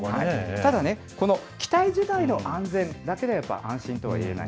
ただね、この機体自体の安全だけではやっぱり安心とは言えない。